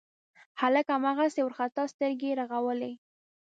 هلک هماغسې وارخطا سترګې رغړولې.